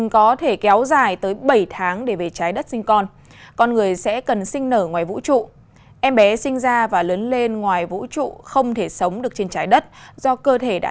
cơ thể đã thay đổi theo môi trường vi trọng lực